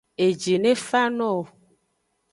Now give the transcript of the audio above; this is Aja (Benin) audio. Eji ne fa no wo.